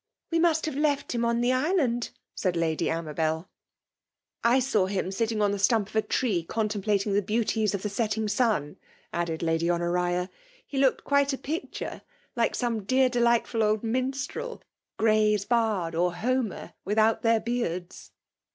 We must have left him on the island/* said Lady AmabeL I saw him sitting on the stump of a tree, contemplating the beauties of the setting sun^*^ added Lady Honoria. " He looked quite a picture^ like some dear delightful old min strd — ^Gray^s Bard, or Homer, without their beaids."